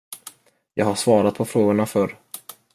Jag har svarat på frågorna förr.